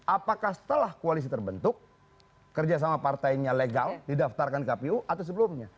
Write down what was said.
apakah setelah koalisi terbentuk kerjasama partainya legal didaftarkan kpu atau sebelumnya